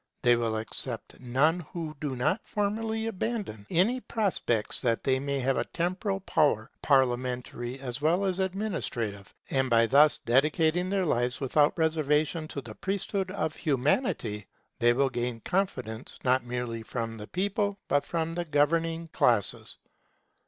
They will accept none who do not formally abandon any prospects they may have of temporal power, parliamentary as well as administrative. And by thus dedicating their lives without reservation to the priesthood of Humanity, they will gain confidence, not merely from the people, but from the governing classes.